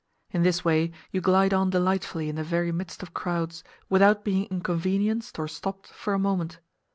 In this way you glide on delightfully in the very midst of crowds, without being inconvenienced or stopped for a moment.